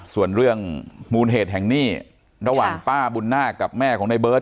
ส่วนเรื่องมูลเหตุแห่งหนี้ระหว่างป้าบุญนาคกับแม่ของในเบิร์ต